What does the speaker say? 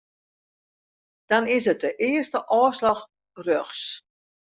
Dan is it de earste ôfslach rjochts.